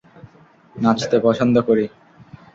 নাচতে পছন্দ করি!